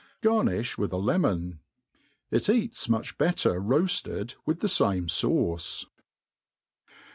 Garnifh with le mon, i Ic eats much better roafled with the fame fauoe.